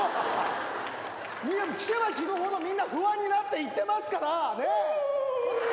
聞けば聞くほどみんな不安になっていってますから！